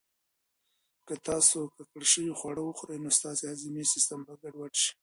که تاسو ککړ شوي خواړه وخورئ، نو ستاسو هضمي سیسټم به ګډوډ شي.